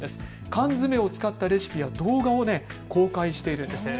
缶詰を使った料理やレシピ動画を公開しているんです。